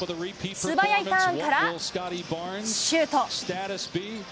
素早いターンから、シュート。